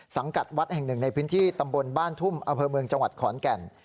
สังกัดวัดแห่งหนึ่งในพื้นที่ตำบลบ้านทุ่มอำเภอเมืองจังหวัดขอนแก่น